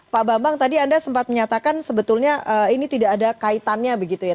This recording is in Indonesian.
pak bambang tadi anda sempat menyatakan sebetulnya ini tidak ada kaitannya begitu ya